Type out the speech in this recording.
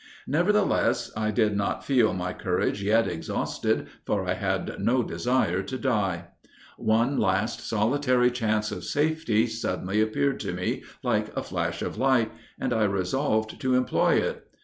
Nevertheless, I did not feel my courage yet exhausted, for I had no desire to die. One last, solitary chance of safety, suddenly appeared to me, like a flash of light, and I resolved to employ it.